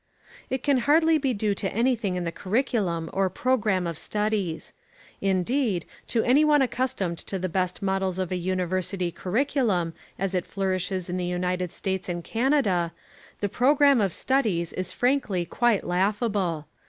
It can hardly be due to anything in the curriculum or programme of studies. Indeed, to any one accustomed to the best models of a university curriculum as it flourishes in the United States and Canada, the programme of studies is frankly quite laughable.